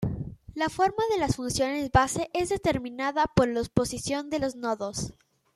La forma de las funciones base es determinada por la posición de los nodos.